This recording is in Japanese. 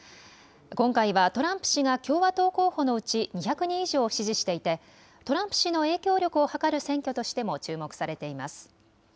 今回はトランプ氏が共和党候補のうち２００人以上を支持していてトランプ氏の影響力をはかる選挙としても注目されています。